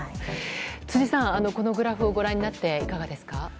辻さん、このグラフをご覧になっていかがですか。